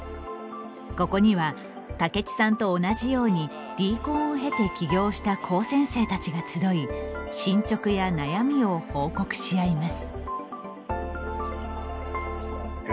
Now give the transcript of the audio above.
ここには、武智さんと同じようにＤＣＯＮを経て起業した高専生たちが集い進捗や悩みを報告しあいます。